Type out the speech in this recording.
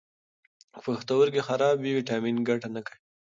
که پښتورګي خراب وي، ویټامین ګټه نه کوي.